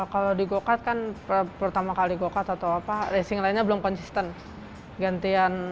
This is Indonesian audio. kalau di go kart kan pertama kali go kart atau apa racing lainnya belum konsisten